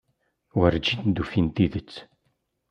Werǧin d-ufin tidet.